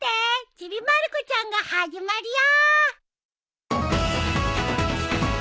『ちびまる子ちゃん』が始まるよ！